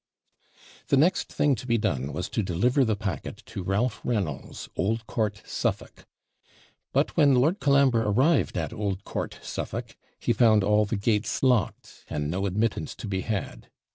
The next thing to be done was to deliver the packet to Ralph Reynolds, Old Court, Suffolk. But when Lord Colambre arrived at Old Court, Suffolk, he found all the gates locked, and no admittance to be had.